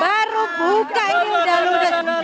baru buka ini udah lulus